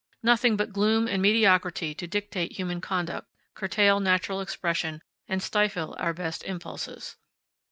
Nothing but gloom and mediocrity to dictate human conduct, curtail natural expression, and stifle our best impulses.